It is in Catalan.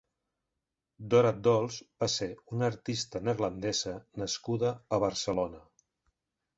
Dora Dolz va ser una artista neerlandesa nascuda a Barcelona.